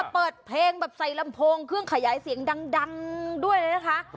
เปิดเพลงแบบใส่ลำโพงเครื่องขยายเสียงดังด้วยเลยนะคะ